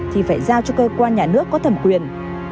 thì phải giao cho cơ quan nhà nước có thẩm quyền